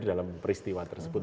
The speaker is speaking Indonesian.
dalam peristiwa tersebut